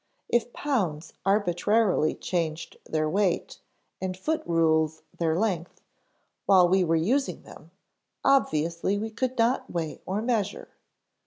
If pounds arbitrarily changed their weight, and foot rules their length, while we were using them, obviously we could not weigh nor measure.